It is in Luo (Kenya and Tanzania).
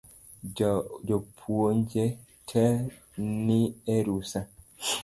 Jopuonje tee ni e rusa